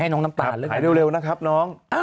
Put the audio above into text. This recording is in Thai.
ให้หายเร็วนะครับน้อง